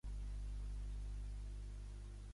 Segons el seu cor judica el dels altres.